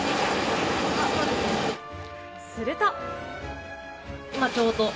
すると。